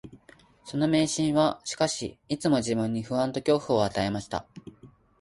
その迷信は、しかし、いつも自分に不安と恐怖を与えました